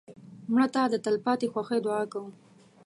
مړه ته د تلپاتې خوښۍ دعا کوو